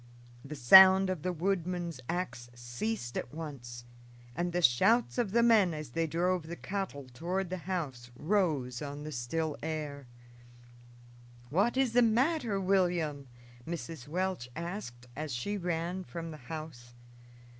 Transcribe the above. The sound of the woodman's ax ceased at once, and the shouts of the men, as they drove the cattle toward the house, rose on the still air. "What is the matter, William?" Mrs. Welch asked as she ran from the house.